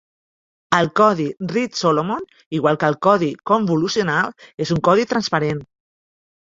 El codi Reed-Solomon, igual que el codi convolucional, és un codi transparent.